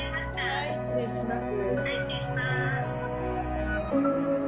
はい失礼します。